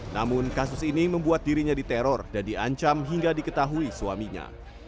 namun kasus ini membuat dirinya diteror dan diancam hingga diketahui suaminya